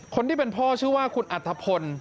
คนที่เป็นพ่อชื่อว่าคุณอัฐพล